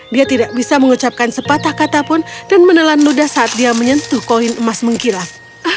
dia tidak bisa mengucapkan sepatah kata pun dan menelan ludah saat dia menyentuh koin emas mengkilap